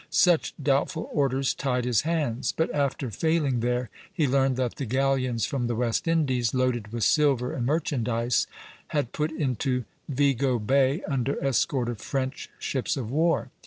Such doubtful orders tied his hands; but after failing there, he learned that the galleons from the West Indies, loaded with silver and merchandise, had put into Vigo Bay under escort of French ships of war.